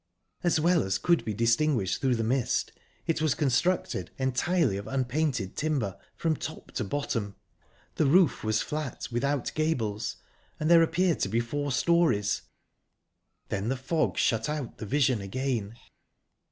As well as could be distinguished through the mist, it was constructed entirely of unpainted timber, from top to bottom; the roof was flat, without gables, and there appeared to be four storeys. Then the fog shut out the vision again.